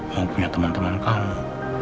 kamu punya temen temen kamu